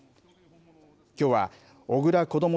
きょうは、小倉こども